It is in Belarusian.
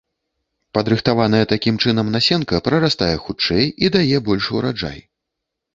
Падрыхтаваная такім чынам насенка прарастае хутчэй і дае большы ўраджай.